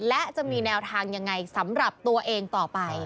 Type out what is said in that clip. และมีแนวทางสำหรับตัวเองต่อไป